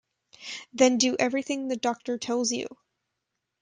Then do everything the Doctor tells you.